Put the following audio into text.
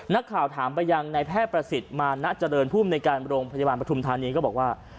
นักข่าวถามไปยังในแพทย์ประสิทธิ์มานะเจริญภูมิในการโรงพยาบาลปฐุมธานีก็บอกว่า